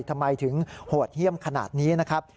ทำไมถึงโหดเยี่ยมขนาดนี้นะครับ